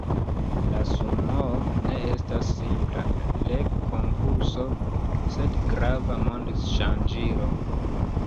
La Sumoo ne estas simpla legkonkurso, sed grava mond-ŝanĝilo.